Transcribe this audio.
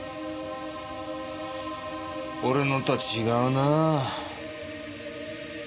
俺のとは違うなぁ。